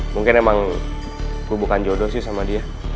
mungkin emang gue bukan jodoh sih sama dia